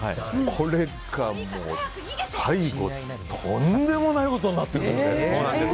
これがもう最後とんでもないことになっているので。